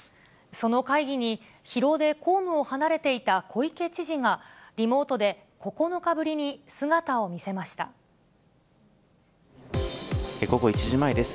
その会議に、疲労で公務を離れていた小池知事が、リモートで９日ぶりに姿を見午後１時前です。